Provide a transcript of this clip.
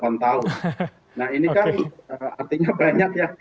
nah ini kan artinya banyak ya